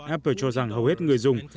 apple cho rằng hầu hết người dùng